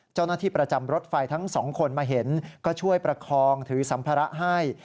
เจ้าหน้าที่ประจำรถไฟทั้งสองคนมาเห็นก็ช่วยประคองถือสัมภาระให้